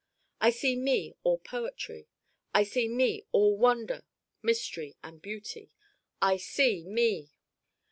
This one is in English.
I see Me all poetry. I see Me all wonder, mystery and beauty. I see Me!